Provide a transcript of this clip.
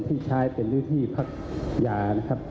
ที่ใช้เป็นอุณหภิษภักดิ์หยา